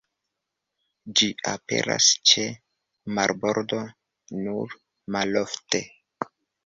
Ĝi aperas ĉe marbordo nur malofte.